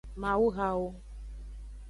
Mawuhawo.